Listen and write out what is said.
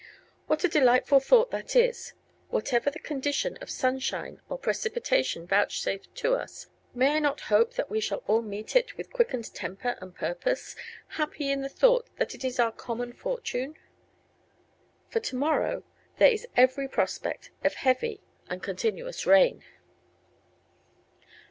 What a delightful thought that is! Whatever the condition of sunshine or precipitation vouchsafed to us, may I not hope that we shall all meet it with quickened temper and purpose, happy in the thought that it is our common fortune? For to morrow there is every prospect of heavy and continuous rain.